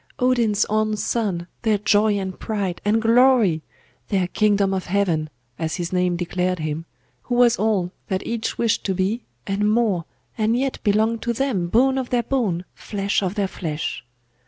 Odin's own son, their joy and pride, and glory! Their 'Kingdom of heaven,' as his name declared him, who was all that each wished to be, and more, and yet belonged to them, bone of their bone, flesh of their flesh!